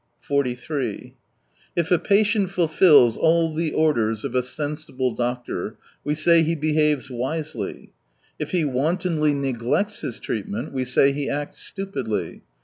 43 If a patient fulfils all the orders of a sensible doctor, we say he behaves wisely. If he wantonly neglects his treatment, we say he acts stupidly.